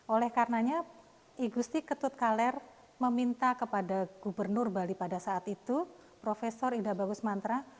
oleh karenanya igusti ketut kaler meminta kepada gubernur bali pada saat itu prof ida bagus mantra